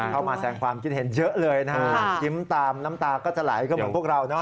เข้ามาแสงความคิดเห็นเยอะเลยนะฮะยิ้มตามน้ำตาก็จะไหลก็เหมือนพวกเราเนอ